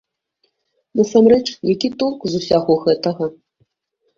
Насамрэч, які толк з усяго гэтага?